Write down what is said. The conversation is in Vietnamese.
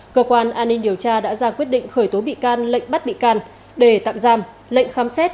cơ quan an ninh điều tra đã ra quyết định khởi tố bị can lệnh bắt bị can để tạm giam lệnh khám xét